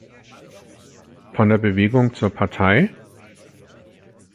Von der Bewegung zur Partei?